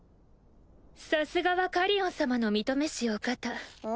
さすがはカリオン様の認めしお方。